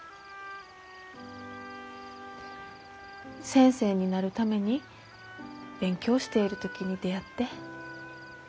先生になるために勉強している時に出会って。